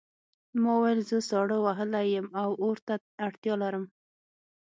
ما وویل زه ساړه وهلی یم او اور ته اړتیا لرم